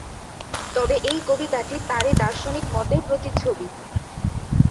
তবে এই কবিতাটি তারই দার্শনিক মতের প্রতিচ্ছবি।